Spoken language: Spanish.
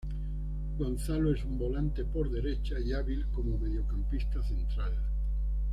Gonzalo es un volante por derecha y hábil como mediocampista central.